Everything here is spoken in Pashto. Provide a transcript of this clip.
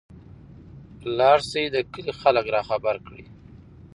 لاړشى د کلي خلک راخبر کړى.